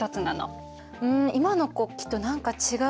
うん今の国旗と何か違うような。